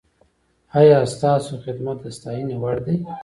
ایا ستاسو خدمت د ستاینې وړ دی؟